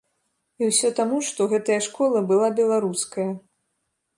І ўсё таму, што гэтая школа была беларуская.